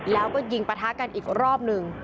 แล้วก็ยิงประทะกันอีกรอบหนึ่ง